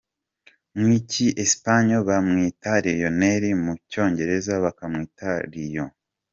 Mu ki-Espagnol bamwita Leonel , mu Cyongereza ho bandika Lyonel.